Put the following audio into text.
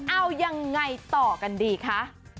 เอายังไงต่อกันดีคะ